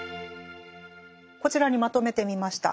こちらにまとめてみました。